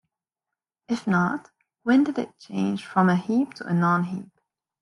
If not, when did it change from a heap to a non-heap?